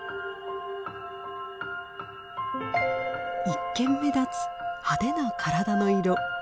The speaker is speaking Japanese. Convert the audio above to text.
一見目立つ派手な体の色。